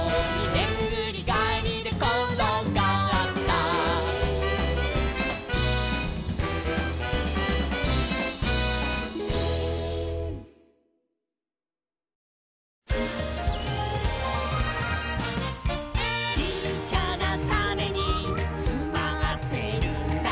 「でんぐりがえりでころがった」「ちっちゃなタネにつまってるんだ」